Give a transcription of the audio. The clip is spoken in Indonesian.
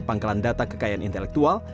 pangkalan data kekayaan intelektual